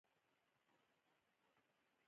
منظور یې په تاریخي بستر کې درک کوو.